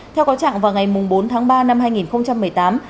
theo có trạng vào ngày bốn tháng ba năm hai nghìn một mươi tám